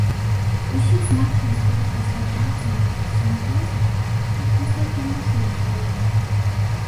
Усе смачна спяць пасля працы на сенакосе, як пасля кірмашу ўсё роўна.